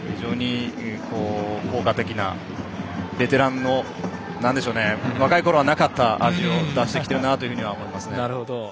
効果的なベテランの、なんでしょうね若いころはなかった味を出してきているなと思いますね。